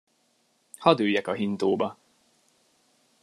Hadd üljek a hintóba!